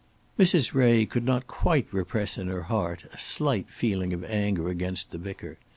Mrs. Ray could not quite repress in her heart a slight feeling of anger against the vicar.